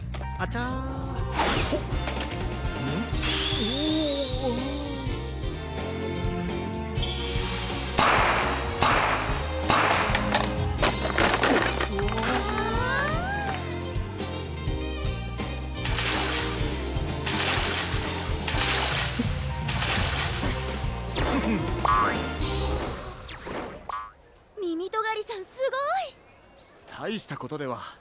たいしたことでは。